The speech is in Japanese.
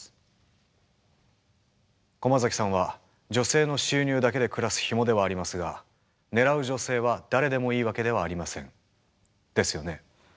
駒崎さんは女性の収入だけで暮らすヒモではありますが狙う女性は誰でもいいわけではありません。ですよね？